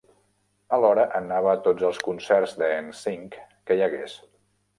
Alhora anava a tots els concerts de 'N Sync que hi hagués.